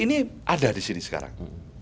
ini ada di sini sekarang